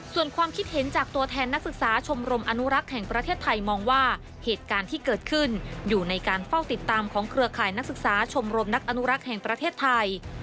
ส่วนความคิดเห็นจากตัวแทนนักศึกษาชมรมอนุรักษ์แห่งประเทศไทยมองว่าเหตุการณ์ที่เกิดขึ้นอยู่ในการเฝ้าติดตามของเครือข่ายนักศึกษาชมรมนักอนุรักษ์แห่งประเทศไทย